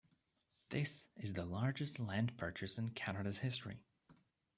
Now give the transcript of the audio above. This is the largest land purchase in Canada's history.